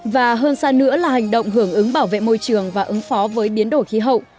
và hơn xa nữa là hành động hưởng ứng bảo vệ môi trường và ứng phó với biến đổi khí hậu